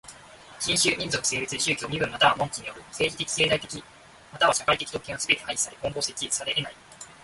人種、民族、性別、信教、身分または門地による政治的経済的または社会的特権はすべて廃止され今後設置されえない。